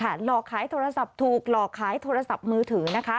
หลอกขายโทรศัพท์ถูกหลอกขายโทรศัพท์มือถือนะคะ